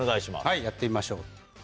はいやってみましょう。